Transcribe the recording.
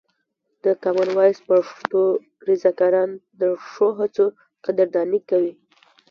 د کامن وایس پښتو رضاکاران د ښو هڅو قدرداني کوي.